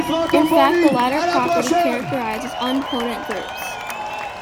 In fact, the latter property characterizes unipotent groups.